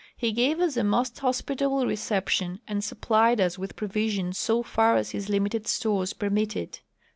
He gave us a most hospitable reception and supplied us with provisions so far as his Ihnited stores permitted.